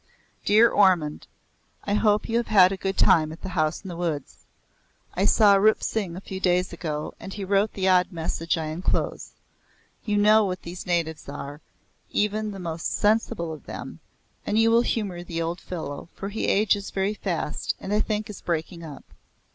"Dear Ormond, I hope you have had a good time at the House in the Woods. I saw Rup Singh a few days ago and he wrote the odd message I enclose. You know what these natives are, even the most sensible of them, and you will humour the old fellow for he ages very fast and I think is breaking up.